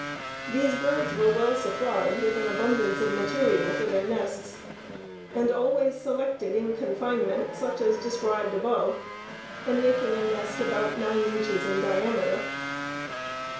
These birds were well supplied with an abundance of material for their nests and always selected in confinement such as described above, and making a nest about nine inches in diameter.